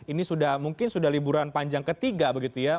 ini sudah mungkin sudah liburan panjang ketiga begitu ya